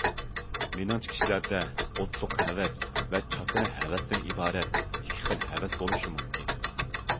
مېنىڭچە، كىشىلەردە ئوتلۇق ھەۋەس ۋە چاكىنا ھەۋەستىن ئىبارەت ئىككى خىل ھەۋەس بولۇشى مۇمكىن.